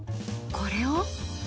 これを。